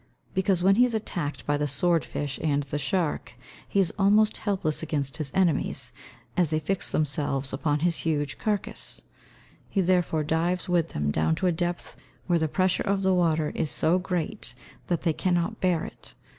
_ Because, when he is attacked by the sword fish and the shark, he is almost helpless against his enemies, as they fix themselves upon his huge carcase. He therefore dives with them down to a depth where the pressure of the water is so great that they cannot bear it.